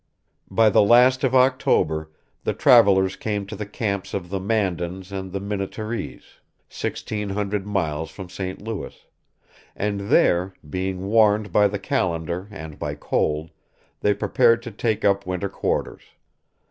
By the last of October the travelers came to the camps of the Mandans and Minnetarees, 1600 miles from St. Louis; and there, being warned by the calendar and by cold, they prepared to take up winter quarters.